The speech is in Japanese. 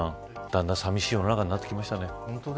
だんだん寂しい世の中になってきましたね。